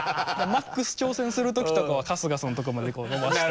マックス挑戦するときとかは春日さんのとこまでのばして。